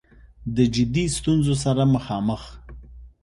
د جدي ستونځو سره مخامخ